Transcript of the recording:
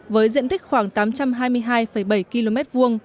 với diện tích khoảng tám trăm hai mươi hai bảy km hai